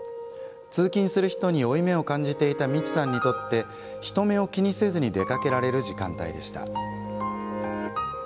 通勤する人に負い目を感じていたみちさんにとって人目を気にせずに出かけられる時間帯でした。